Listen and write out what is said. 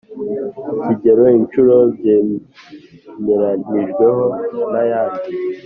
Kigero inshuro byemeranijweho nta yandi